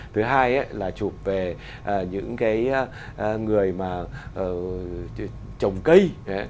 thứ hai là chụp về những người mà trồng cây